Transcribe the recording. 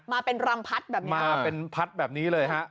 มาเป็นรำพัดแบบนี้มาเป็นพัดแบบนี้เลยฮะ